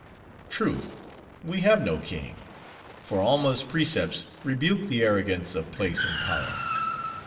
"Truth. We have no king; for Alma's precepts rebuke the arrogance of place and power.